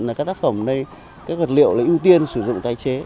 là các tác phẩm ở đây các vật liệu là ưu tiên sử dụng tái chế